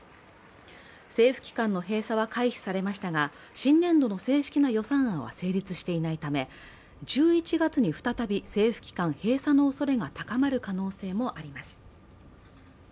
政府機関の閉鎖は、回避されましたが新年度の正式な予算案は成立していないため１１月に再び政府機関閉鎖のおそれが高まる可能性もあります。